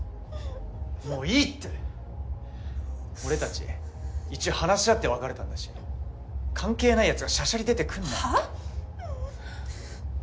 もういいって俺たち一応話し合って別れたんだし関係ないヤツがしゃしゃり出てくんなはぁ？